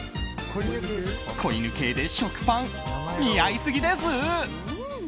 子犬系で食パン似合いすぎです！